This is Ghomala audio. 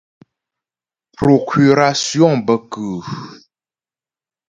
Procurasyɔŋ bə kʉ́ʉ́ ?